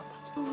aku tidak tahu